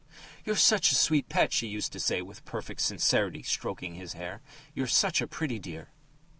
"'You're such a sweet pet!' she used to say with perfect sincerity, stroking his hair. 'You're such a pretty dear!'"